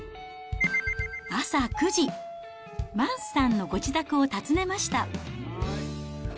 朝９時、マンスさんのご自宅を訪ねました。